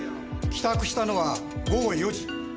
帰宅したのは午後４時。